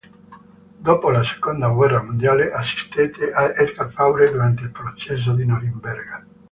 Dopo la seconda guerra mondiale assistette Edgar Faure durante il processo di Norimberga.